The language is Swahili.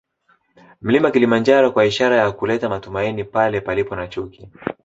Mlima Kilimanjaro kwa ishara ya kuleta matumaini pale palipo na chuki